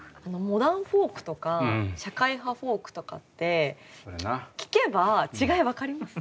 モダンフォークとか社会派フォークとかって聴けば違い分かります？